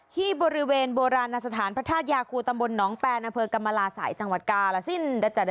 ที่บริเวณโบราณศาสตร์พระทภาคยากลูกรัมลาสายจังหวัดกาลสิน